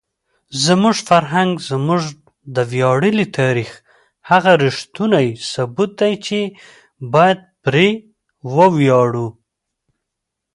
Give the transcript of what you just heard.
زموږ فرهنګ زموږ د ویاړلي تاریخ هغه ریښتونی ثبوت دی چې باید پرې وویاړو.